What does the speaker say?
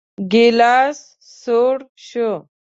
ګيلاس سوړ شو.